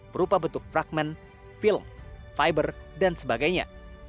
berupa bentuk fragment film fiber dan sebagainya